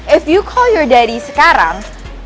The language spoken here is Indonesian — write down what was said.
if you call your daddy sekarang